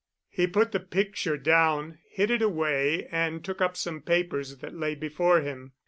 He put the picture down, hid it away, and took up some papers that lay before him.